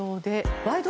『ワイド！